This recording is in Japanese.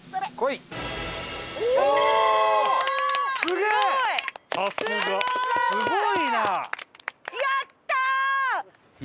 すごいな！